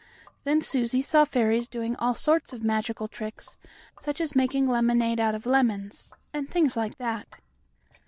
Then Susie saw fairies doing all sorts of magical tricks, such as making lemonade out of lemons, and things like that.